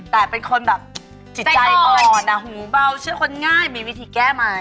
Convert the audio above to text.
แต่เป็นคนแบบจิตใจอ่อนหูเบาเชื่อคนง่ายมีวิธีแก้ไหม